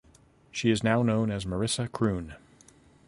She is now known as Marissa Kroon.